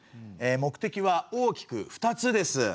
目的は大きく二つです。